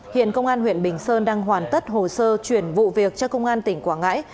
hiện công an huyện bình sơn đang hoàn tất hồ sơ chuyển vụ việc cho công an tỉnh quảng ngãi